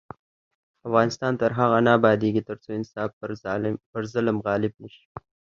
افغانستان تر هغو نه ابادیږي، ترڅو انصاف پر ظلم غالب نشي.